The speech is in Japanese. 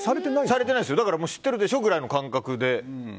だから、知ってるでしょくらいの感覚で。